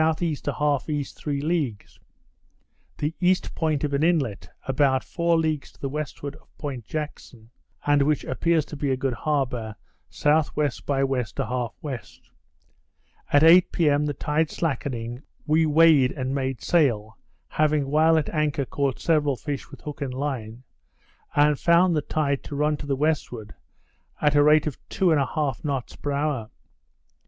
E. 1/2 E. three leagues; the east point of an inlet (about four leagues to the westward of Point Jackson, and which appears to be a good harbour) S.W. by W. 1/2 W. At eight p.m. the tide slackening, we weighed and made sail (having while at anchor caught several fish with hook and line), and found the tide to run to the westward, at the rate of two and a half knots per hour.